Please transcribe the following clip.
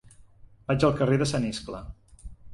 Vaig al carrer de Sant Iscle.